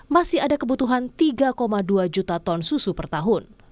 masih ada kebutuhan tiga dua juta ton susu per tahun